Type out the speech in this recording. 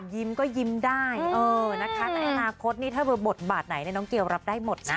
ยิ้มก็ยิ้มได้เออนะคะแต่ในอนาคตนี่ถ้าเบอร์บทบาทไหนน้องเกียวรับได้หมดนะ